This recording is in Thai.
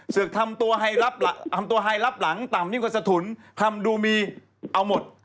เสือกทำตัวไฮรับหลังต่ำยิ่งกว่าสะทุนทำดูมีเอาหมด